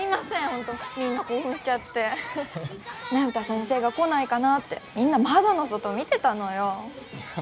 ホントみんな興奮しちゃって那由他先生が来ないかなってみんな窓の外見てたのよ